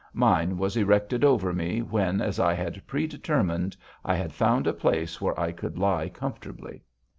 Mine was erected over me, when, as I had pre determined, I had found a place where I could lie comfortably.